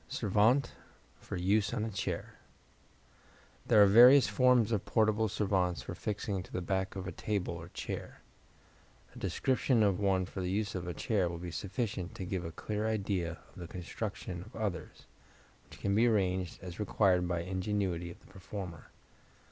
Servante for Use on a Chair There are various forms of portable servantes for fixing to the back of a table or chair. A description of one for use on a chair will be sufficient to give a clear idea of the construction of others, which can be arranged as required by the ingenuity of the performer.